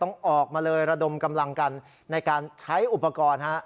ต้องออกมาเลยระดมกำลังกันในการใช้อุปกรณ์ฮะ